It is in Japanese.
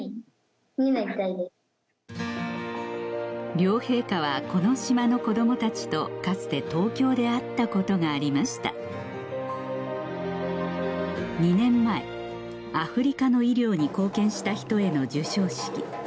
両陛下はこの島の子供たちとかつて東京で会ったことがありました２年前アフリカの医療に貢献した人への授賞式